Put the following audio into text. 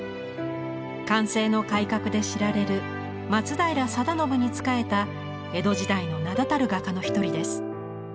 寛政の改革で知られる松平定信に仕えた江戸時代の名だたる画家の一人です。